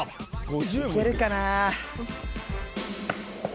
いけるかな？